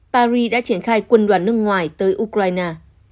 paris đã triển khai quân đoàn nước ngoài tới ukraine